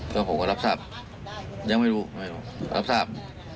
ก็ผมก็รับทราบยังไม่รู้รับทราบ